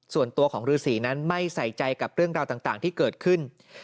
ส่วนตัวของฤษีนั้นไม่ใส่ใจกับเรื่องราวต่างที่เกิดขึ้น